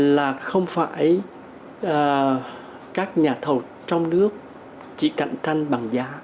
là không phải các nhà thầu trong nước chỉ cạnh tranh bằng giá